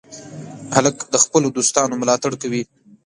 هلک د خپلو دوستانو ملاتړ کوي.